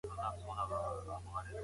که کتابتون کار کوي نو معلومات نه کمېږي.